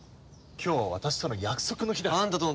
今日は私との約束の日だぞ。